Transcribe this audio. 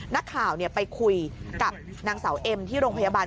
นักข่าวไปคุยกับนางสาวเอ็มที่โรงพยาบาล